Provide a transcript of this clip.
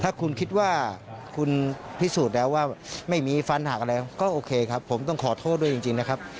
ถ้าคุณคิดว่าคุณพิสูจน์แล้วว่าไม่มีฟันหักอะไรก็โอเคครับผมต้องขอโทษด้วยจริงนะครับ